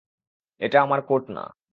এটা আমার কোট না।